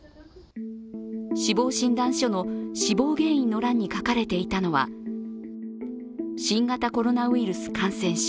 死亡診断書の死亡原因の欄に書かれていたのは、新型コロナウイルス感染症。